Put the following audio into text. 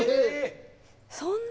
そんな。